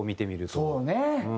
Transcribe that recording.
そうね。